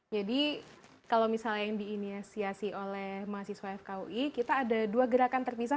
jadi kalau misalnya yang diiniasiasi oleh mahasiswa fkui kita ada dua gerakan terpisah